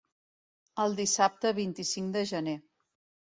El dissabte vint-i-cinc de gener.